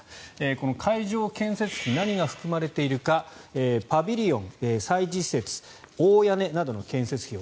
この会場建設費何が含まれているかパビリオン、催事施設大屋根などの建設費用。